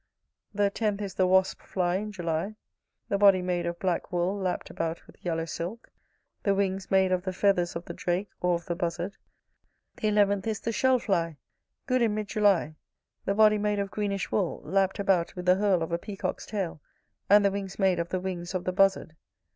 The tenth is the wasp fly in July; the body made of black wool, lapt about with yellow silk; the wings made of the feathers of the drake, or of the buzzard. The eleventh is the shell fly, good in mid July: the body made of greenish wool, lapt about with the herle of a peacock's tail: and the wings made of the wings of the buzzard.